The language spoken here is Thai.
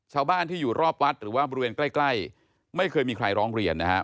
ชาวบ้านที่อยู่รอบวัดหรือว่าบริเวณใกล้ไม่เคยมีใครร้องเรียนนะครับ